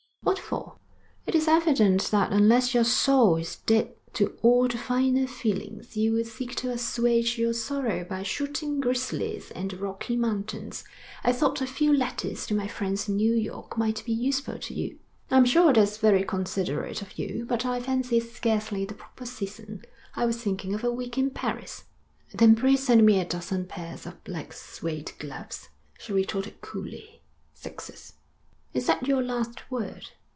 'What for?' 'It is evident that unless your soul is dead to all the finer feelings, you will seek to assuage your sorrow by shooting grizzlies in the Rocky Mountains. I thought a few letters to my friends in New York might be useful to you.' 'I'm sure that's very considerate of you, but I fancy it's scarcely the proper season. I was thinking of a week in Paris.' 'Then pray send me a dozen pairs of black suède gloves,' she retorted coolly. 'Sixes.' 'Is that your last word?'